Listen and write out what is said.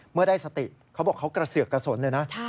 เมื่อได้สติเขาบอกเขากระเสือกกระสนเลยนะ